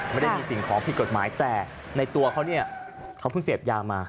ไม่ได้มีสิ่งของผิดกฎหมายแต่ในตัวเขาเนี่ยเขาเพิ่งเสพยามา